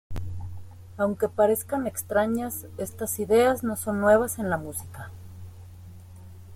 Aunque parezcan extrañas, estas ideas no son nuevas en la música.